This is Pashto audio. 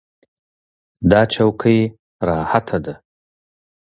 دا چوکۍ راحته ده.